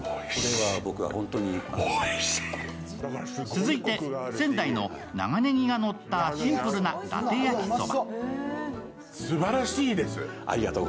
続いて、仙台の長ねぎがのったシンプルな伊達焼そば。